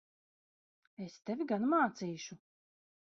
Es tevi gan mācīšu!